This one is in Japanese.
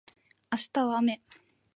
明日は雨